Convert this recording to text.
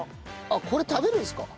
あっこれ食べるんですか？